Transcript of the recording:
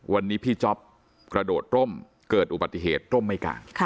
วันนี้พี่จ๊อปกระโดดร่มเกิดอุบัติเหตุร่มไม่กลาง